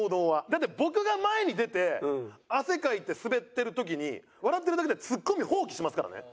だって僕が前に出て汗かいてスベってる時に笑ってるだけでツッコミ放棄しますからね。